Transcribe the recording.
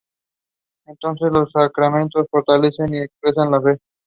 Entonces, los sacramentos fortalecen y expresan la fe.